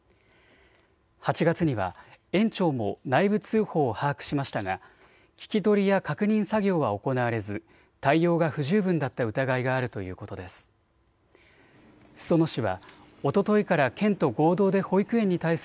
８月には園長も内部通報を把握しましたが聞き取りや確認作業は行われず対応が不十分だった疑いがあるということです。